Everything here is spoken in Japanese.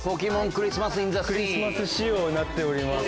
クリスマス仕様になっております。